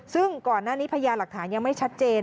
ซึ่งก่อนหน้านี้พยาหลักฐานยังไม่ชัดเจน